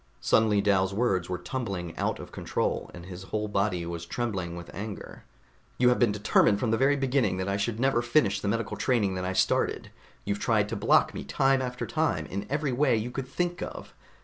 Suddenly Dal's words were tumbling out of control, and his whole body was trembling with anger. "You have been determined from the very beginning that I should never finish the medical training that I started. You've tried to block me time after time, in every way you could think of.